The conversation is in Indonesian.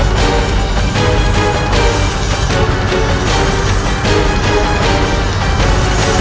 bandar tapi sama